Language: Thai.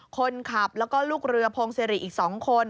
คนขับแล้วก็ลูกเรือพงศิริอีก๒คน